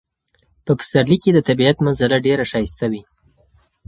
په پسرلي کې د طبیعت منظره ډیره ښایسته وي.